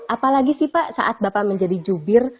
apalagi sih pak saat bapak menjadi jubir